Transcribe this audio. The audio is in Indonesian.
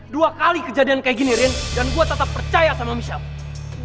dua kali kejadian kayak gini rin dan gue tetap percaya sama michelle